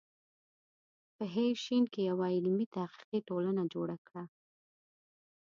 په ه ش کې یوه علمي تحقیقي ټولنه جوړه کړه.